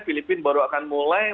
filipina baru akan mulai